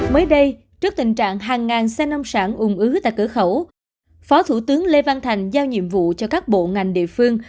mới đây trước tình trạng hàng ngàn xe nông sản ung ứ tại cửa khẩu phó thủ tướng lê văn thành giao nhiệm vụ cho các bộ ngành địa phương